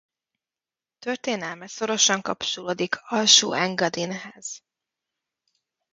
Történelme szorosan kapcsolódik Alsó-Engadinhez.